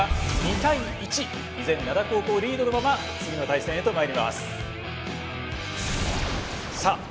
依然灘高校リードのまま次の対戦へとまいります。